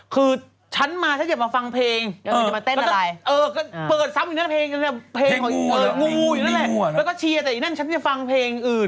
คือฉันมาฉันจะมาฟังเพลง